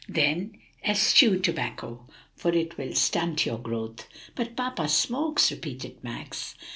"Then eschew tobacco, for it will stunt your growth!" "But papa smokes," repeated Max.